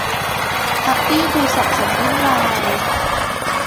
ทับปี้ดูสับสนวุ่นวาย